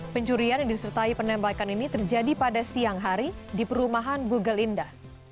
pencurian yang disertai penembakan ini terjadi pada siang hari di perumahan bugelinda